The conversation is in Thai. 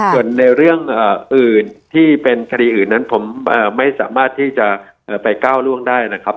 ส่วนในเรื่องอื่นที่เป็นคดีอื่นนั้นผมไม่สามารถที่จะไปก้าวล่วงได้นะครับ